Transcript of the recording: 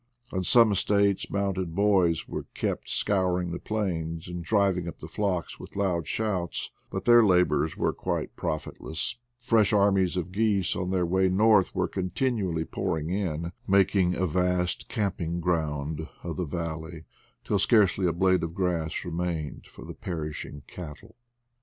On some estates mounted boys were kept scouring the plains, and driving up the flocks with loud shouts; but their 78 IDLE DAYS IN PATAGONIA labors were quite profitless; fresh armies of geese on their way north were continually pouring in, making a vast camping ground of the valley, till scarcely a blade of grass remained for the perish ing cattle.